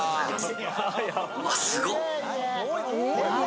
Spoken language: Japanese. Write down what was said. うわっすごっ！